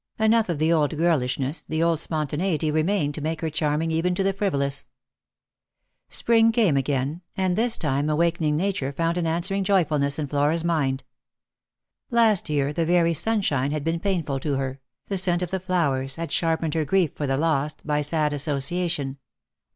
Enough of the old girlishness, the old spontaneity remained to make her charming «ven to the frivolous. Lost for Love. 249 Spring came again, and this time awakening Nature found ail answering joyfulness in Flora's mind. Last year, the very sunshine had been painful to her, the scent of the flowers had sharpened her grief for the lost, by sad association.